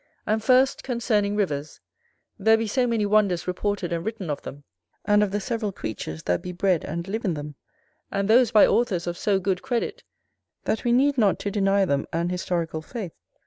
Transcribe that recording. And first concerning rivers; there be so many wonders reported and written of them, and of the several creatures that be bred and live in them, and those by authors of so good credit, that we need not to deny them an historical faith.